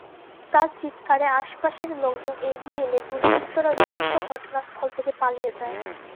তাঁর চিৎকারে আশপাশের লোকজন এগিয়ে এলে দুর্বৃত্তরা দ্রুত ঘটনাস্থল থেকে পালিয়ে যায়।